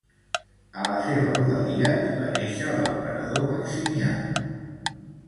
A la seva rodalia hi va néixer l'emperador Maximià.